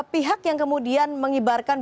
pihak yang kemudian mengibarkan